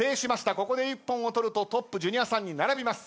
ここで一本を取るとトップジュニアさんに並びます。